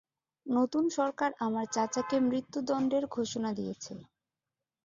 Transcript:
নতুন সরকার আমার চাচাকে মৃত্যুদন্ডের ঘোষণা দিয়েছে।